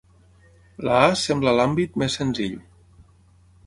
La a sembla l'àmbit més senzill.